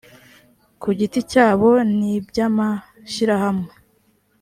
ku giti cyabo n iby amashyirahamwe